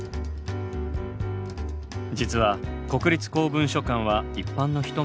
実は国立公文書館は一般の人も利用が可能。